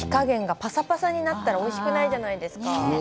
ぱさぱさになったらおいしくないじゃないですか。